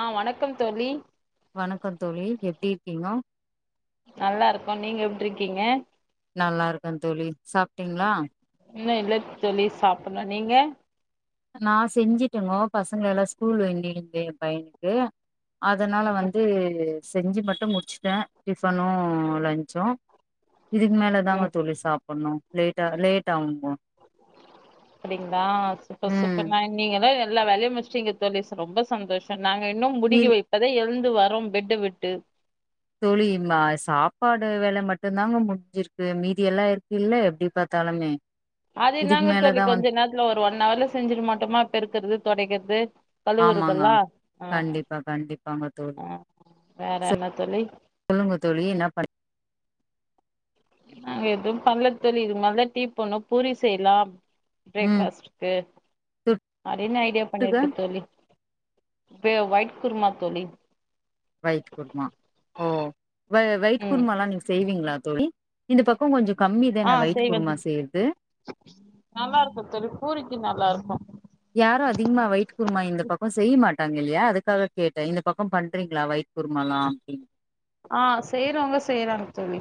ஆ வணக்கம் தோழி வணக்கந்தோழி எப்டி இருக்கீங்க நல்லா இருக்கோ நீங்க எப்டி இருக்கீங்க நல்லா இருக்கே தோழி சாப்டீங்களா இன்னு இல்ல தோழி சாப்புட்ல நீங்க நா செஞ்சுட்டேங்கோ பசங்களலா ஸ்கூல் வேண்டிருந்தே எ பையனு கு அதனால ம் வந்து செஞ்சு மட்டு முடிச்ட்டே டிஃபனு லன்ச்சு இதுக்கு மேல தாங்க ம் தோழி சாப்புட்ணு லேட்டா லேட் ஆவுங்கோ அப்டிங்களா சூப்பர் ம் சூப்பர் நா நீங்கதா எல்லா வேலையு முடிச்டீங்க தோழி ச ரொம்ப சந்தோஷோ நாங்க இன்னு இல் முடிக்கவே இப்பதா எழுந்து வரோம் பெட்ட விட்டு தோழி மா சாப்பாடு வேல மட்டு தாங்க முடிஞ்சிருக்கு மீதி எல்லா இருக்கு இல்ல எப்டி பாத்தாலுமே அது இதுக்கு என்னாங்க தோழி மேலதா வந் கொஞ்ச நேரத்துல ஒரு ஒன் ஹவர்ல செஞ்சிட மாட்டோமா பெருக்கிறது தொடைக்கிறது ஆமாங்க கழுவுறதெல்லா ஆ கண்டிப்பா கண்டிப்பாங்க தோழி ஆ வேற என்ன தோழி சொல்லுங்க தோழி என்ன பண் நாங்க எதுவும் பண்ல தோழி இது மேல தா டீ போட்ணு பூரி செய்லாம் பிரேக் ம் ஃபாஸ்டுக்கு அப்டின்னு ஐடியா தொட்டுக்க பண்ணிருக்கே தோழி கே ஒயிட் குருமா தோழி வயிட் குருமா ஓ வ வயிட் ம் குருமாலா நீங்க செய்வீங்களா தோழி இந்த பக்கோ கொஞ்சோ கம்மி ஆ தான வயிட் செய்வே தோ குருமா செய்றது நல்லா இருக்கு தோழி பூரிக்கு நல்லா இருக்கு யாரு அதிகமா வயிட் குருமா இந்த பக்கோ செய்ய மாட்டாங்க இல்லையா அதுக்காக கேட்டே இந்த பக்கோ பண்றீங்களா வயி்ட் குருமால வப்பிங் ஆ செய்றவங்க செய்றாங்க தோழி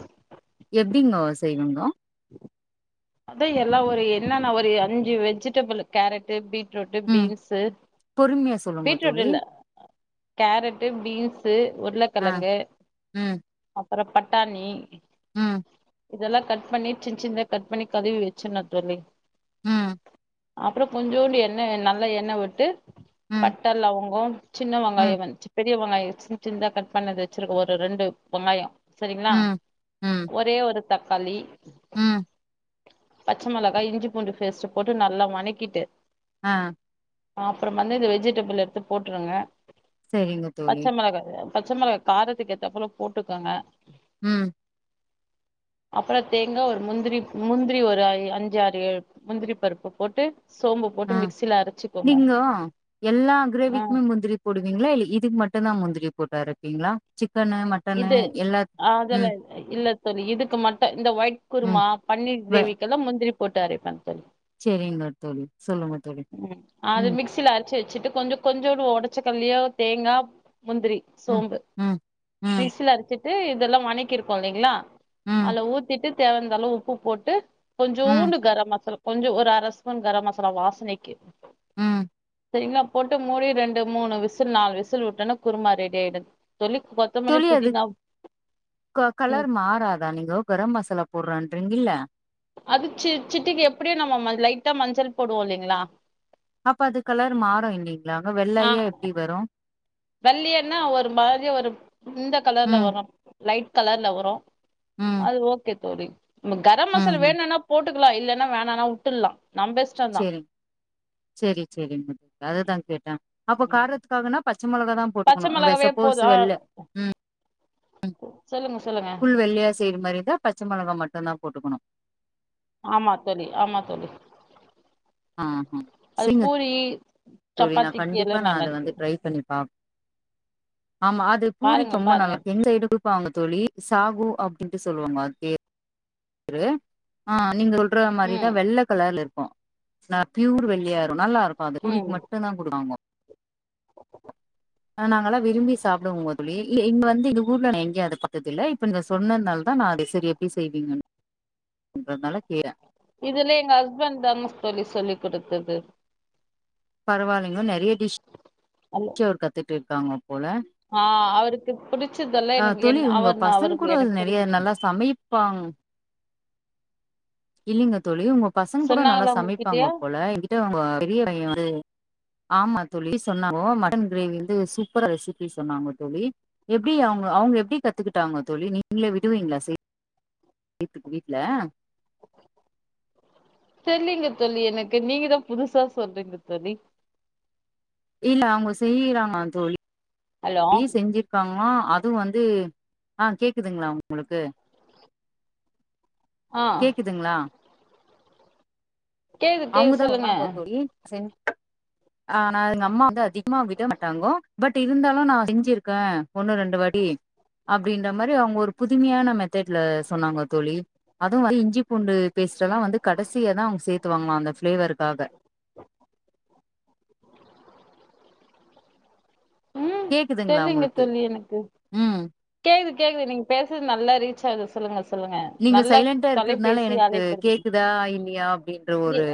எப்டிங்கோ செய்விங்கோ [inaudible] அதா எல்லா ஒரு என்னென்னா ஒரு அஞ்சு வெஜிடபிள் கேரட் பீ பீட்ரூட்டு ம் பீன்ஸு பொறுமையா சொல்லுங்க பீட்ரூட் தோழி இல்ல கேரட்டு பீன்ஸு ஆ உருளக்கெழங்கு அப்பறோ பட்டாணி உம் இதெல்லா கட் பண்ணி சின் சின்தா கட் பண்ணி கழுவி வச்சுடணூ தோழி ம் அப்றோ கொஞ்சோண்டு எண்ணெ வே நல்லா எண்ணெ விட்டு ம் பட்ட லவங்கம் சின்ன ம் வெங்காயவன் ச்சு பெரிய வெங்காயம் யேட்சி சின்ந்தா கட் பண்ணது வெச்சிருக்க ஒரு ரெண்டு வெங்காயோ செரிங்களா ம் ஒரே ஒரு தக்காளி உம் பச்ச மொளகா இஞ்சி பூண்டு பேஸ்ட் போட்டு நல்லா வனக்கிட்டு ஆ அப்றமா வந்து இந்த வெஜிடபிள் எடுத்து போட்டுருங்க சரிங்க தோழி பச்சமிளகா பச்ச மொளகா காரத்துக்கு ஏத்தப்லே போட்டுக்கோங்க உம் அப்றோ தேங்கா ஒரு முந்திரி முந்திரி ஒரு அஞ்சு அறு ஏழுமுந்திரி பருப்பு போட்டு சோம்பு போட்டு ஆ மிக்சில அரைச்சுக்கோங்க நீங்கோ எல்லா ஆ கிரேவிக்கு மே முந்திரி போடுவீங்ளா இல்ல இதுக்கு மட்டும் தா முந்திரி போட்டு அரப்பீங்ளா சிக்கனு மட்டனு இது எல்லா அதெல்லா ம் இல்ல தோழி இதுக்கு மட்டும் இந்த ஒயிட் ம் குருமா பன்னீர் வே கிரேவி எல்லா முந்திரி போட்டு அரைப்பே தோழி செரிங்க தோழி சொல்லுங்க தோழி உம் அது ம் மிக்சில அரிச்சி வச்சிட்டு கொஞ்சோ கொஞ்சோண்டு உடச்சக்கல்லியோ தேங்கா முந்திரி உம் சோம்பு உம் மிக்சில அரச்சிட்டு இதெல்லா வனக்கிருக்கோ இல்லிங்ளா ம் அதுல ஊத்திட்டு தேவயானந்தாலவு உப்பு போட்டு ம் கொஞ்சோண்டு கரம் மசாலா கொஞ்சோ ஒரு அரஸ்பூன் கரம் மசாலா வாசனைக்கு உம் சரிங்ளா போட்டு மூடி ரெண்டு மூணு விசில் நாலு விசில் விட்டேன்னா குருமா ரெடி ஆயிடுது சொல்லி கொத்தமல்லி [unintelligible] அது புதினா க ம் கலர் மாறாதா நீங்கோ கரம் மசாலா போடுறன்றீங்கில்ல அது சி சிட்டிக்கு எப்டியு நம்ம மஞ் லைட்டா மஞ்சள் போடுவோ இல்லிங்ளா அப்ப அது கலர் மாறு இல்லிங்ளா அங்க ஆ வெள்ளையா எப்டி வரு வெள்ளையன்னா ஒரு மாதிரியா ஒரு இந்த கலர்ல ம் வரு லைட் கலர்ல வரு ம் அது ஓகே தோழி நம்ம கரம் ம் மசாலா ம் வேணுன்னா போட்டுக்கலா இல்லேன்னா வேணனா வுட்டுட்லா நம்ப இஷ் சேரி சேரி சேரிங்க அதுதா கேட்டே அப்ப காரத்துக்காகன்னா பச்சை மொளகா தா பச்ச போட்டுக்கணு வெ மிளகாவே சப்போஸ் போதும் ஆ வெள்ளை உம் ம் சொல்லுங்க சொல்லுங்க ஃபுல் வெள்ளையா செய்ற மாரி இருந்தா பச்சை மொளகா மட்டுந் தா போட்டுக்குணு ஆமா தோழி ஆமா தோழி ஆ ஆ அது சரிங்க பூரி தோழி நா சப்பாத்திக்கு கண்டிப்பா எல்லா நா நல்லா அத வந்து இருக்கு ட்ரை பண்ணி பாப் ஆமா அது பாருங்க பூரிக்கு ரொம்ப பாருங்க நல்லா எந்த [unintelligible] இருப்பாங்க தோழி சாகு அப்டின்ட்டு சொல்லுவாங்க அது பேர் இரு ஆ நீங்க சொல்ற மாரிதா ம் வெள்ள கலர்ல இருக் கு நா ப்யூர் வெள்ளியாயிரு நல்லா இருக்கு அது ம் பூரிக்கு மட்டுந்தா குடுவாங்கோ அ நாங்கெல்லா விரும்பி சாப்டுவோங்க தோழி இல்ல இங்க வந்து இந்த ஊர்ல நா எங்கியு அத பாத்ததில்ல இப்ப இந்த சொன்னதுனாலதா நா அத செரி எப்டி செய்வீங்கன்னு ன்றதுனால கீர இதெல்லா எங்க ஹஸ்பண்ட் தா மிஸ் தோழி சொல்லி் கொடுத்தது பரவாலிங்கோ நெறைய டிஷ் அல்ல க்கே அவரு கத்துட்டிருக்காங்க போல அ அவருக்கு பிடிச்சதெல்லா ஆ எனக்கு தோழி என் உங்க அவர்னா அவருக்கு எனக்கு சரி புர்சன் பாங் இல்லிங்க தோழி உங்க பசங்க கூட நல்லா சொன்னாங்களா உங்ககிட்டயா சமைப்பாங்க போல எங்கிட்ட உங்க பெரிய பைய வந்து ஆமா தோழி சொன்னாங்கோ மட்டன் கிரேவி வந்து சூப்பரா ரெசிபி சொன்னாங்கோ தோழி எப்டி அவுங்க அவுங்க எப்டி கத்துக்கிட்டாங்க தோழி நீங்களே விடுவீங்களா செய் வீட்டுக்கு வீட்ல தெர்லிங்க தோழி எனக்கு நீங்க தா புதுசா சொல்றீங்க தோழி இல்ல அவுங்க செய்யீறாங்களா தோழி ஹலோ ழி செஞ்சிட் காங்களா அதும் வந்து அ கேக்குதுங்களா உங்களுக்கு ஆ கேக்குதுங்களா கேக்து கேக்கு சொல்லுங்க ப் செஞ் அ நா அது எங்க அம்மா வந்து அதிகமா விட மாட்டாங்கோ பட் இருந்தாலு நா செஞ்சிருக்கே ஒன்னு ரெண்டு வாட்டி அப்டின்ற மாரி அவுங்க ஒரு புதுமையான மெத்தட்ல சொன்னாங்கோ தோழி அதுவல் இஞ்சி பூண்டு பேஸ்ட் எல்லா வந்து கடசியா தா அவுங்க சேர்த்துவாங்களா அந்த ஃபிளேவருக்காக கேக்குதுங்களா தெர்லிங்க உங்களுக்கு தெர்லியே எனக்கு ம் கேக்குது கேக்குது நீங்க பேசுறது நல்லா ரீச் ஆகுது சொல்லுங்க சொல்லுங்க நீங்க நல்லா சைலண்டா இருக்கிறதுனால தொலைபேசி எனக்கு அலைப்பெடுத்துக்கங் கேக்குதா இல்லையா அப்டின்ற ஒரு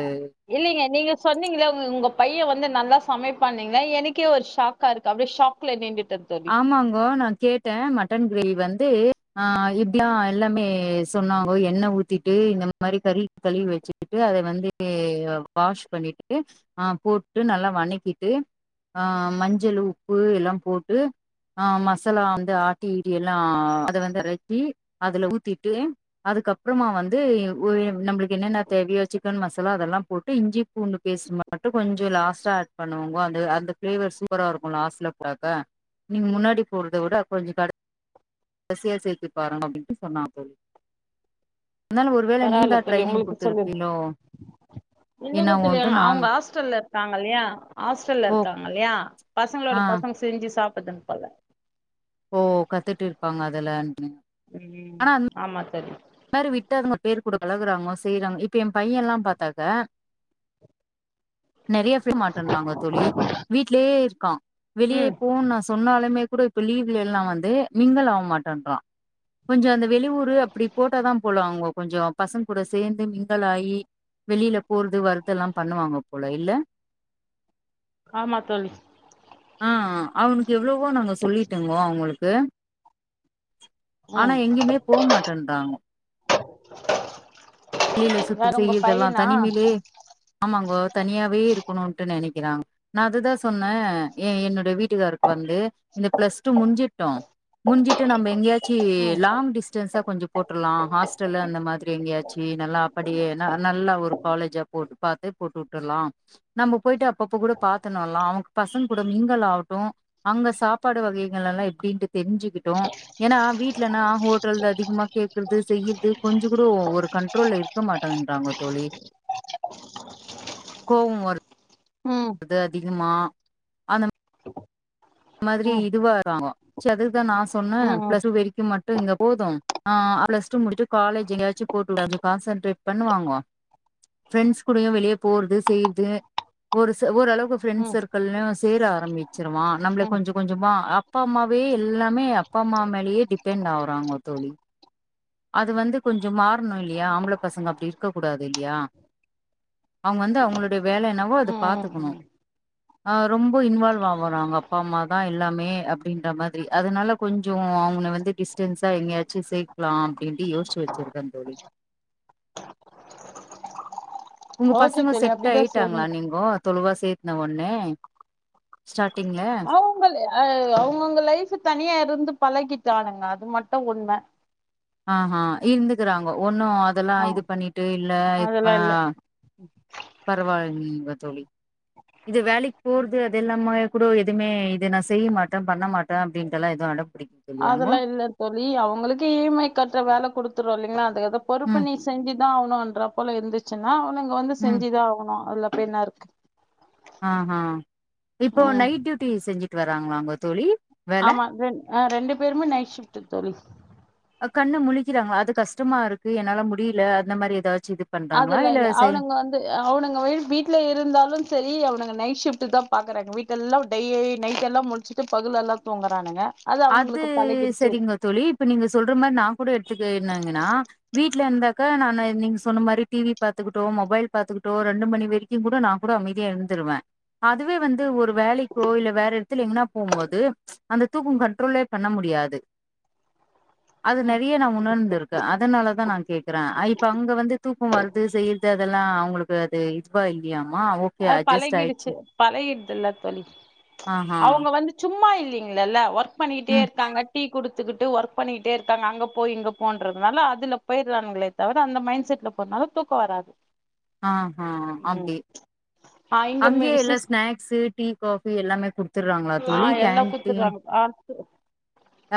இல்லிங்க நீங்க சொன்னீங்கள உங்களுக்கு உங்க பையன் வந்து நல்லா சமைப்பானீங்களா எனக்கே ஒரு ஷாக்கா இருக்கு அப்டியே ஷாக் கில்லே நீண்டிட்டது ஆமாங்கோ நா கேட் டேன் மட்டன் கிரேவி வந்து அ இப்டிலா எல்லாமே சொன்னாங்கோ எண்ண ஊத்திட்டு இந்த மாரி கறி கழுவி வச்சுக்கிட்டு அத வந்து வாஷ் பண்ணிட்டு அ போட்டு நல்லா வணக்கிட்டு அ மஞ்சளு உப்பு எல்லாம் போட் டு அ மசாலா வந்து ஆட்டி விட்டி எல்லா அத வந்து ரக்கி அதுல ஊத்திட்டு அதுக்கப்புறமா வந்து ஒரு நம்ளுக்கு என்னென்ன தேவையோ சிக்கன் மசாலா அதெல்லா போட்டு இஞ்சி பூண்டு பேஸ்ட் மட்டு கொஞ்சோ லாஸ்டா ஆட் பண்ணுவாங்கோ அந்த அந்த ஃப்ளேவர் சூப்பரா இருக்கு லாஸ்ட்ல பாத்தா நீங்க முன்னாடி போட்றத விட கொஞ்சோ கடை கடைசியா சேத்தி பாருங்க அப்டின்ட்டு சொன்னா தோழி அதனால ஒரு வேள நீ பரவால்ல தா தோழி ட்ரைனிங் உங்களுக்கு சொல்லு குடுத்துருப்பீலோ இல்லைங்க தோழி என்னவோன்ட்டு நான் அவுங்க ஹாஸ்டல்ல இருக்காங்கல்லையா ஹாஸ்டல்ல ஓ இருக்கா அல்லயா பசங்களோட ஆ பசங்க செஞ்சி சாப்ட்டுக்கணு போல ஓ கத்துட்டு இருப்பாங்க அதா லேர்ண்ட்டுனு ம் ஆமா தோழி இந்மாரி விட்டாங்க பேர் கூடுக்கலகுறாங்க செய்யறாங்க இப்ப என் பையன்ல்லாம் பாத்தாக்கா நெறைய பேர் மாட்டேன்றா தோழி வீட்லே இருக்கான் வெளியே ம் போன்னு நா சொன்னாலுமே கூட இப்ப லீவ்லல்லா வந்து மிங்கல் ஆவ்மாட்டேன்றா கொஞ்சம் அந்த வெளியூரு அப்டி போட்டாதா போல அவுங்க கொஞ்சம் பசங் கூட சேந்து மிங்குள் ஆயி வெளில போறது வருதுல்லாம் பண்ணுவாங்க போல இல்ல ஆமா தோழி ஆ அவுனுக்கு எவ்ளோவோ நாங்க சொல்லிட்டோங்கோ அவுங்ளுக்கு ஆனா ம் எங்கேமே போ மாட்டேன்து வெளில சுத்து வேற உங்க செய்ற்தெல்லா பையனா தனிமையிலே ஆமாங்கோ தனியாவே இருக்கணுன்ட்டு நெனைக்கிறாங்க நா அதுதா சொன்னே எ என்னோட வீட் டுகாருக்கு வந்து இந்த பிளஸ் டூ முடுஞ்சிருட்டு முடுஞ்சிட்டு நம்ப எங்கயாவுது ம் [unintelligible] லாங் டிஸ்டன்ஸா கொஞ்சம் போட்டர்லா ஹாஸ்டல்லு அந்த மாரி எங்கயாவுது செயினலாம் அப்டியே நல்லா ஒரு காலேஜா போட்டு பாத்து போட்டுவுட்டர்லா நம்ப போயிட்டு அப்பப்ப கூட பாத்துணு வர்லா அவங்க பசங்க கூட மீங்கள் ஆவட்டும் அங்க சாப்பாடு வகைகள் எல்லா எப்டின்ட்டு தெரிஞ்சிகிட்டோ ஏனா வீட்லன்னா ஹோட்டல் அதிகமா கேக்குறது செய்யற்து கொஞ்ச கூட ஒரு கண்ட்ரோல்ல இருக்க மாட்டன்றாங்க தோழி கோவம் வரு ம் து அதிகமா அந்த மாதிரி ம் இதுவாறாங்கோ ச்ச அதுதா நா சொன்னே ம் ம் பிளஸ்ட்டூ வரிக்கும் மட்டும் இங்க போதும் ஆ பிளஸ்டூ முடிட்சி காலஜ் எங்காச்சு போட்டுடு கான்சன்ட்ரேட் பண்ணுவங்கோ ப்ரெண்ட்ஸ் கூடயும் வெளிய போறது செய்ற்து ஒரு ச ஓரளவு ஃப்ரெண்ட்ஸ் ம் சர்க்கள்ள சேர ஆரம்பிச்சிருவா நம்பள ம் கொஞ்சம் கொஞ்சமா அப்பா அம்மாவே எல்லாமே அப்பா அம்மா மேலயே டிபெண்ட் ஆவுறாங்க தோழி அது வந்து கொஞ்சம் மாறணும் இல்லையா ஆம்பள பசங்க அப்டி இருக்க கூடாது இல்லையா அவுங்க வந்து அவுங்களுடைய வேல என்னவோ அது ம் ம் ம் பாத்துக்கணும் ஆ ரொம்ப இன்வால்வ் ஆகுறாங்க அப்பாம்மாதா எல்லாமே அப்டின்ற மாதிரி அதுனால கொஞ்சம் அவன வந்து டிஸ்டன்ஸா எங்கயாச்சும் சே க்கலாம் அப்டின்ட்டு யோஷ்ச்சி வச்சிருக்கே தோழி உங்க ஓகே பசங்க தோழி செட் அப்டிதா ஆயிட்டாங்களா செய்யணு நீங்கோ தொலுவா சேத்தே ஒன்னே ஸ்டார்ட்டிங்ல அலு அ அவுங்கவுங்க லைஃப்பு தனியா இருந்து பழகிட்டானுங்க அது மட்டும் உண்ம ஆ ஹா இருந்துக்கறாங்கோ ஒன்னு அதல்லா ஆ இது பண்ணிட்டு இல்ல இப்ப அதெல்லா இல்ல பரவால்லிங்க தோழி இது வேலக்கு போறது அதெல்லாமே கூட எதுவுமே இது நா செய்ய மாட்டே பண்ண மாட்டே அப்டின்டல எதுவு அடம் பிடிக் அதல்லா இல்ல தோழி அவங்ளுக்கே இ ய மை கற்ற வேல கொடுத்துருவோ இல்லங்களா அதுக்கத் பொறுப்பு ம் நீ செஞ்சுதா ஆவ்ணுன்ற போல இருந்துச்சுன்னா அவங்க வந்து ம் செஞ்சுதா ஆவ்ணு அதுல பேய்ன்னாருக் ஆஹா இப்போ ம் நைட் டியூட்டி செஞ்சுட்டு வராங்களாங்க தோழி வேல ஆமா ரெண் ரெண்டு பேருமே நைட் ஷிப்ட்டு தோழி கண்ணு முழிக்றாங்களா அது கஷ்டமாருக்கு என்னால முடியல அந்த மாரி ஏதாச்சு இது பண்றாங்களா அதுலா இல்ல செய் அவனுங்க வந் அவனுங்க வீட்ல இருந்தாலு சரி அவனுங்க நைட்ஷிஃப்ட் தா பாக்றாங்க வீட்டல்லா விட்டு டெய் நைட்ல்லா முழுச்சுட்டு பகலெல்லா தூங்குறானுங்க அது அவனுங்களுக்கு பழகிடுச்சு சரிங்க தோழி இப்ப நீங்க சொல்ற மாரி நா கூட எடுத்துக்குன்னங்னா வீட்ல இருந்தாக்கா நா நீங்க சொன்ன மாரி டி வி பாத்துக்குட்டோ மொபைல் பாத்துக்குட்டோ ரெண்டு மணி வெரிக் கி கூட நா கூட அமைதியா இருந்துருவ அதுவே வந்து ஒரு வேலைக்கோ இல்ல வேற எடத்ல எங்னா போம்போது அந்த தூக்கோ கன் ட்ரோலே பண்ண முடியாது அது ம் நெறைய நா உணர்ந்திருக் க அதனாலதா நா கேக்கற அ இப்ப அங்க வந்து தூக்கோ வருது செய்யிறது அதெல்லா அவுங்ளுக் கு அது இத்வா இல்லயாமா ஓ அது பழகிடுச்சு பழகிடுதுல்ல தோழி ஆஹா அவுங்க வந்து சும்மா இல்லிங்ளல்ல ஒர்க் பண்ணிக்கிட்டே ம். இருக்காங்க டீ குடுத்துக்கிட்டு ஒர்க் பண்ணிக்கிட்டே இருக்காங்க அங்க போ இங்க போன்றதுனால அதுல பேய்றான்களே தவர அந்த மைண்ட் செட்ல போறனால தூக்கோ வராது ஆஹா ம் அப்டி ஆ இங்க அங்கேயே எல்லா மெடிசிஸ் ஸ்நாக்ஸு, டீ, காஃபி எல்லாமே குடுத்துர்றாங்களா ஆ தோழி? எல்லா கேன்டீன் குத்துறாங்கலா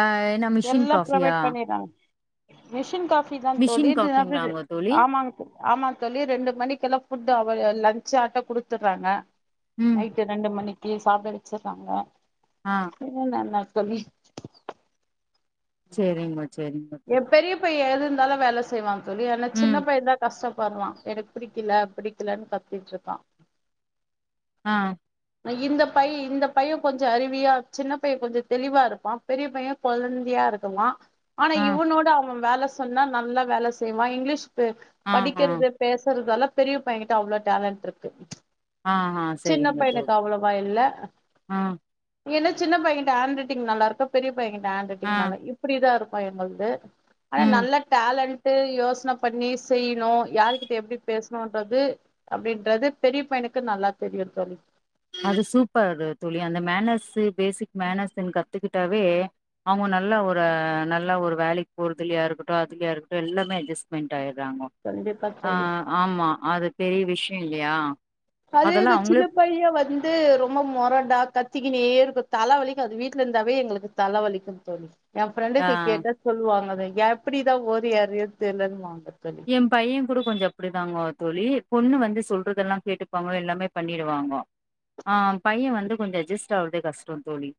அ என்ன மிஷின் எல்லா காஃபியா? ப்ரொவைட் பண்ணிறாங்க மிஷின் காஃபிதா தோழி மிஷின் இதுதாகுது காஃபிங்களாங்க தோழி? ஆமாங் ஆமா தோழி ரெண்டு மணிக்கெல்லா ஃபுட் அவ லன்ச்சாட்டோ குடுத்ர்றாங்க ம். நைட் ரெண்டு மணிக்கு சாப்பிட வச்சிர்ராங்க ஆ மூன்நன்னா தோழி சேரிங்மா ஏ பெரிய பையே எதுருந்தாலு வேல செய்வா தோழி ஆனா ம். சின்ன பையேதா கஷ்டப்பற்றா எடுக் பிடிக்கில பிடிக்கிலன்னு கத்ட்ருக்கா ஆ இந்த பைய் இந்த பையே கொஞ்சோ அருவியா சின்ன பையே கொஞ்சோ தெளிவாருப்பா பெரிய பையே கொழ்ந்தியாருக்குமா ஆனா ஆ, இவனோட அவே வேல சொன்னா நல்லா வேல செய்வா இங்லீஷ் ப் ஆ, ஆ, படிகிறது பேசுறது தால பெரிய பையங்கிட்ட அவ்ளோ டேலண்ட்ருக்கு ஆஹா சின்ன சரிங்க பையனுக்கு தோழி. அவ்ளோவா இல்ல ஆ, நீ என்னு சின்ன பையன்ட்ட ஹாண்ரைடிங் நல்லாருக்கா பெரிய பையங்கிட்ட ஆ, ஹாண்ரைடிங் நல்லா இப்டிதாருக்கு பையங்குள்து ஆனா ம். நல்லா டேலண்ட்டு யோசன பண்ணி செய்ணு யாருகிட்ட எப்டி பேசுணுன்றது அப்டின்றது பெரிய பையனுக்கு நல்லா தெரியு தோழி அது சூப்பர் தோழி அந்த மேனஸ்சு பேசிக் மேனஸ்ன் கத்துக்கிட்டாவே அவுங்கோ நல்லா ஒரு நல்லா ஒரு வேலைக் போர்றதிலயாருக்ட்டு அதுலயாருக்டு எல்லாமே அட்ஜஸ்மெண்ட் ஆயிறாங்கோ கண்டிப்பா தோழி ஆம்மா அது பெரிய விஷியோல்லியா அதே நா சின்னப் பையே வந்து ரொம்ப மொரடா கத்திக்கினே இருக்கு தல வலிக்கு அது வீட்ல இருந்தாவே எங்ளுக்கு தலவலிக்கு தோழி ஏ ஆ ஃப்ரெண்டுக்கு கேட்டா சொல்லுவாங்க எப்டிதா ஓரி ஆறியோ தெர்லன் வாங்கோ ஃப்ரெண்ட்ஸ் ஏ பைய கூட கொஞ்சோ அப்டிதாங்கோ தோழி பொண்ணு வந்து சொல்றதெல்லா கேட்டுப்பாங்கோ எல்லாமே பண்ணிடுவாங்கோ ஆ பைய வந்து கொஞ்சோ அட்ஜஸ்ட் ஆகுறதே கஷ்டோ தோழி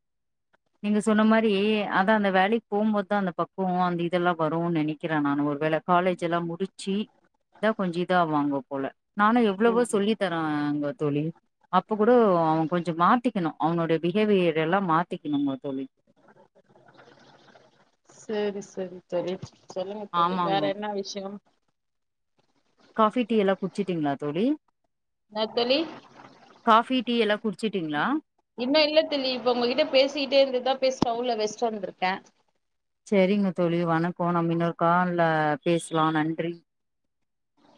நீங்க சொன்ன மாரி அதா அந்த வேலைக்கு போகும்போதுதா அந்த பக்குவோ அந்த இதெல்லா வரோனு நெனைக் கிற நானோ ஒரு வேள காலேஜ் ஜெல்லா முடிச்சி இதா கொஞ்சோ இதா ஆவாங்க போல நானோ எவ்வளவோ ம் சொல்லி தராங்க தோழி. அப்ப கூட அவ கொஞ்சோ மாத்திக்கணோ அவனோடய பிஹேவியர் எல்லா மாத்திக்கணோங்க தோழி செரி செரி தோழி சொல்லுங்க தோழி வேற ஆமாங்க என்ன விஷ்யோ காஃபி டீ எல்லா குட்ச்சிட்டீங்களா தோழி இன்னா தோழி காஃபி டீ எல்லா குட்ச்சீட்டீங்களா இன்னோ இல்ல தோழி இப்ப உங்ககிட்ட பேசிக்கிட்டே இருந்துட்டுதா போய் ஸ்டவ்ல வெஸ்ட் வந்துருக்கே செரிங்க தோழி வணக்கோ நம்ம இன்னொருக்கால்ல பேசலா நன்றி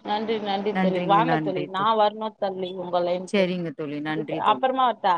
நன்றி நன்றி தோழி நன்றிங்க வாங்க நன்றி தோழி தோ நா வர்ணோ தோழி உங்க லைனுக்கு செரிங்க தோழி இப்ப நன்றி தோழி அப்பறமா வர்ட்டா